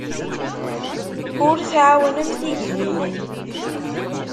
Ur tɛawnemt igellilen.